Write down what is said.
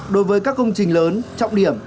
đối với các công trình lớn trọng điểm